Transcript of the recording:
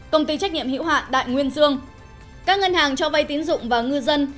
công ty trách nhiệm hữu hạn đại nguyên dương các ngân hàng cho vay tín dụng và ngư dân